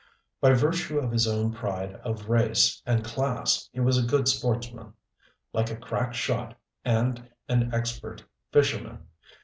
By virtue of his own pride of race and class he was a good sportsman: likely a crack shot and an expert fisherman.